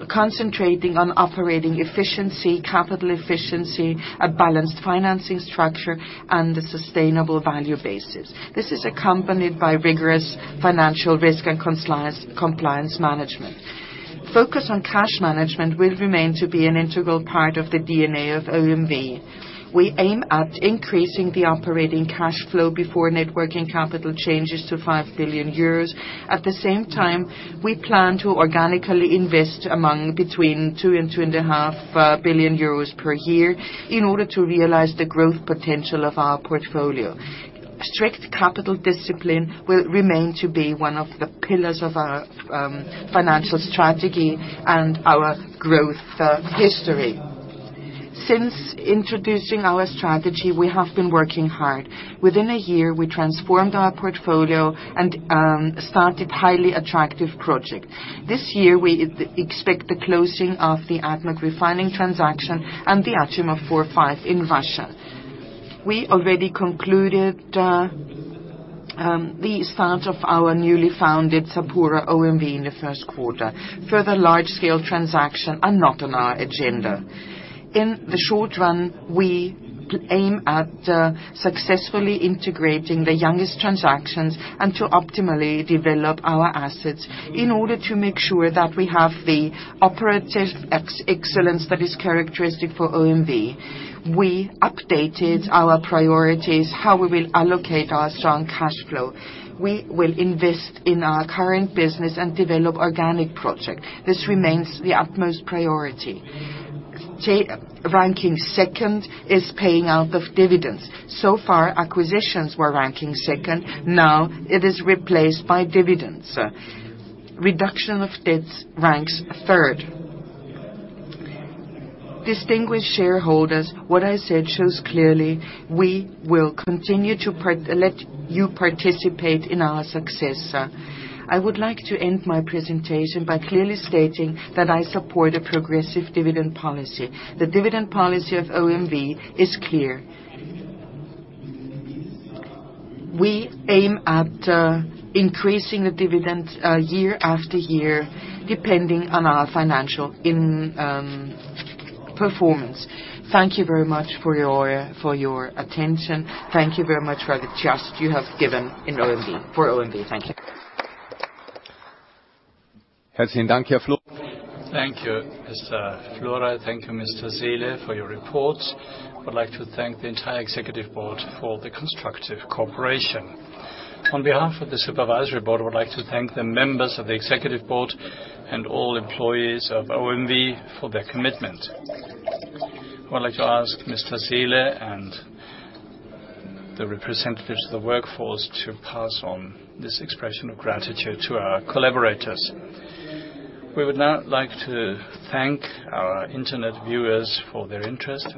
concentrating on operating efficiency, capital efficiency, a balanced financing structure, and the sustainable value basis. This is accompanied by rigorous financial risk and compliance management. Focus on cash management will remain to be an integral part of the DNA of OMV. We aim at increasing the operating cash flow before networking capital changes to 5 billion euros. At the same time, we plan to organically invest between 2 billion euros and 2.5 billion euros per year in order to realize the growth potential of our portfolio. Strict capital discipline will remain to be one of the pillars of our financial strategy and our growth history. Since introducing our strategy, we have been working hard. Within a year, we transformed our portfolio and started highly attractive project. This year, we expect the closing of the ADNOC Refining transaction and the Achimov 4A/5A in Russia. We already concluded the start of our newly founded SapuraOMV in the first quarter. Further large-scale transaction are not on our agenda. In the short run, we aim at successfully integrating the youngest transactions and to optimally develop our assets in order to make sure that we have the operative excellence that is characteristic for OMV. We updated our priorities, how we will allocate our strong cash flow. We will invest in our current business and develop organic project. This remains the utmost priority. Ranking second is paying out of dividends. So far, acquisitions were ranking second. Now it is replaced by dividends. Reduction of debts ranks third. Distinguished shareholders, what I said shows clearly we will continue to let you participate in our success. I would like to end my presentation by clearly stating that I support a progressive dividend policy. The dividend policy of OMV is clear. We aim at increasing the dividends year after year, depending on our financial performance. Thank you very much for your attention. Thank you very much for the trust you have given for OMV. Thank you. Thank you, Mr. Flore. Thank you, Mr. Seele, for your report. I would like to thank the entire executive board for the constructive cooperation. On behalf of the supervisory board, I would like to thank the members of the executive board and all employees of OMV for their commitment. I would like to ask Mr. Seele and the representatives of the workforce to pass on this expression of gratitude to our collaborators. We would now like to thank our internet viewers for their interest.